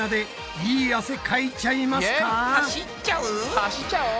走っちゃう？